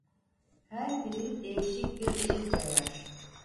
Her biri değişik bir ışık yayar.